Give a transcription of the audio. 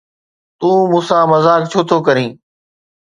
تون مون سان مذاق ڇو ٿو ڪرين؟